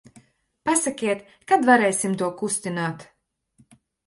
Pasakiet, kad varēsim to kustināt.